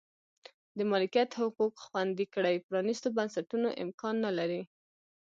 د مالکیت حقوق خوندي کړي پرانیستو بنسټونو امکان نه لري.